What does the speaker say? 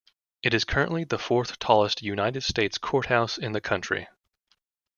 It is currently the fourth tallest United States courthouse in the country.